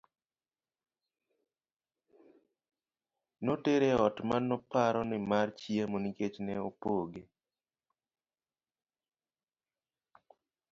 notere e ot manoparo ni mar chiemo nikech ne opoge